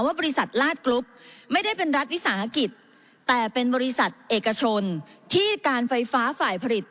บริษัทลาดกรุ๊ปไม่ได้เป็นรัฐวิสาหกิจแต่เป็นบริษัทเอกชนที่การไฟฟ้าฝ่ายผลิต